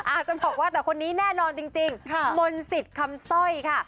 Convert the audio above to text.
อาจจะบอกว่าแต่คนนี้แน่นอนจริงมนต์สิทธิ์คำสร้อยค่ะ